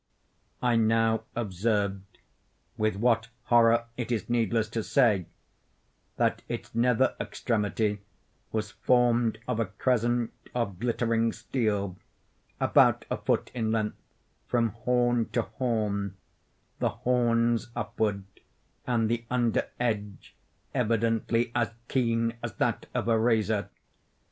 I now observed—with what horror it is needless to say—that its nether extremity was formed of a crescent of glittering steel, about a foot in length from horn to horn; the horns upward, and the under edge evidently as keen as that of a razor.